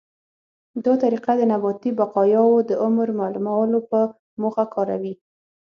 دا طریقه د نباتي بقایاوو د عمر معلومولو په موخه کاروي.